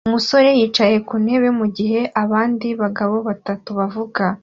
Umusore yicaye ku ntebe mugihe abandi bagabo batatu bavuga